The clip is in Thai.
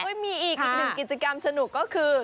มีอีกอีกหนึ่งกิจกรรมสนุกก็คือ